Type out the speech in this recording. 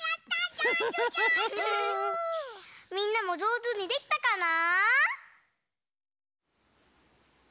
みんなもじょうずにできたかな？